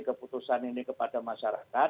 keputusan ini kepada masyarakat